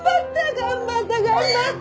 頑張った頑張った！